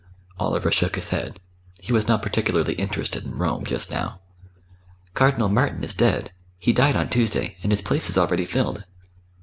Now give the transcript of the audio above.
Oliver shook his head. He was not particularly interested in Rome just now. "Cardinal Martin is dead he died on Tuesday and his place is already filled."